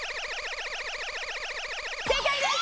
正解です！